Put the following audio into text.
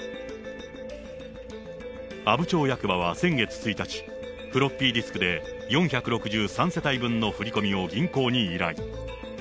阿武町役場は先月１日、フロッピーディスクで４６３世帯分の振り込みを銀行に依頼。